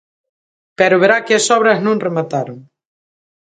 Pero verá que as obras non remataron.